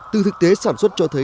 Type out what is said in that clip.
từ thực tế sản xuất cho thấy